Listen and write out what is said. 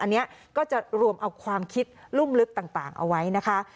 อันนี้ก็จะรวมเอาความคิดรุ่มลึกต่างเอาไว้นะคะ